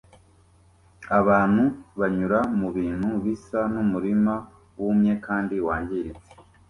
Abantu banyura mubintu bisa n'umurima wumye kandi wangiritse